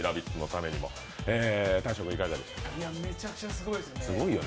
めちゃくちゃすごいですね。